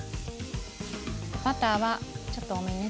バターはちょっと多めにね。